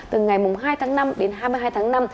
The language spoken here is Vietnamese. từ ngày hai tháng năm đến hai mươi hai tháng năm